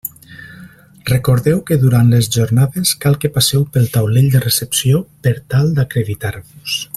Recordeu que durant les Jornades cal que passeu pel taulell de recepció per tal d'acreditar-vos.